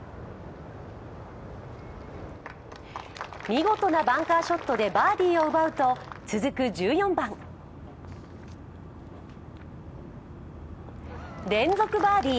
見事なバンカーショットでバーディーを奪うと、続く１４番連続バーディー。